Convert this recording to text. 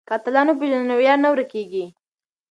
که اتلان وپېژنو نو ویاړ نه ورکيږي.